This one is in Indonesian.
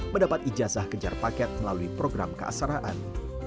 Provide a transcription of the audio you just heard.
mendapat ijazah kejar paket melalui program keasaraan